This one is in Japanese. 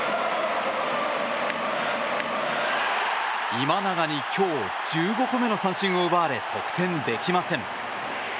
今永に今日１５個目の三振を奪われ得点できません。